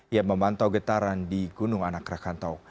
yang memantau getaran di gunung anak rakatau